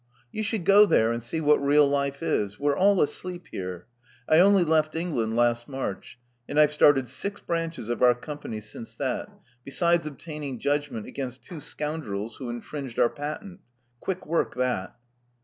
"You should go there and see what real life is. We're all asleep here. I only left England last March; and I've started six branches of our com pany since that, besides obtaining judgment against two scoundrels who infringed our patent. Quick work that."